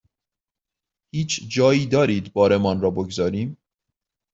هیچ جایی دارید بارمان را بگذاریم؟